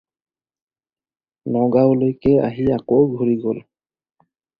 নগাঁওলৈকে আহি আকৌ ঘূৰি গ'ল।